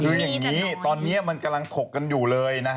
มีแต่นอนอยู่คืออย่างนี้ตอนนี้มันกำลังถกกันอยู่เลย